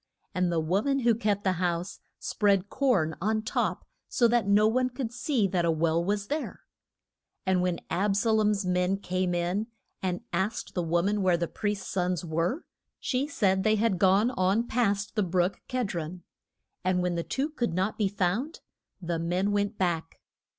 And the wo man who kept the house spread corn on top so that no one could see that a well was there. And when Ab sa lom's men came in and asked the wo man where the priest's sons were, she said they had gone on past the brook Ked ron. And when the two could not be found the men went back.